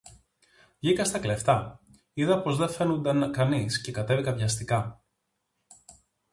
Βγήκα στα κλεφτά, είδα πως δε φαίνουνταν κανείς και κατέβηκα βιαστικά.